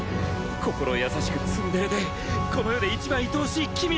心優しくツンデレでこの世でいちばんいとおしい君。